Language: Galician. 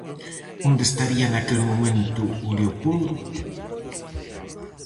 Onde estaría naquel momento o Leopoldo?